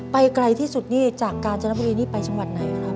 ไปไกลที่สุดนี่จากกาญจนบุรีนี่ไปจังหวัดไหนครับ